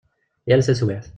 Yal taswiɛt.